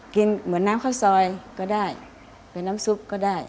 เหมือนน้ำข้าวซอยก็ได้เป็นน้ำซุปก็ได้